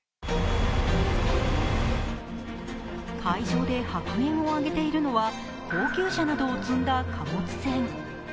海上で白煙を上げているのは高級車などを積んだ貨物船。